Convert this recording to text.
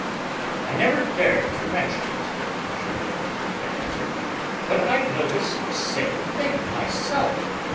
"I never dared to mention it," M. Verdurin had answered, "but I've noticed the same thing myself."